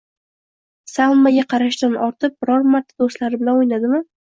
Salmaga qarashdan ortib, biror marta do'stlari bilan o'ynadimi?